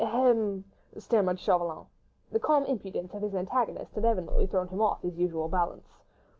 . er ... hem ..." stammered Chauvelin. The calm impudence of his antagonist had evidently thrown him off his usual balance.